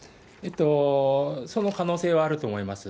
その可能性はあると思います。